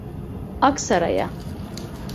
Aksaray'a!